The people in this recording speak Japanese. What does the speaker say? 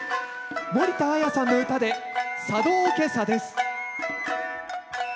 森田彩さんの唄で「佐渡おけさ」です。